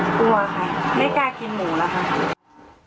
กลัวค่ะไม่กล้ากินหมูแล้วค่ะ